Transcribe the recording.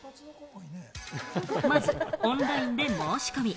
まず、オンラインで申し込み。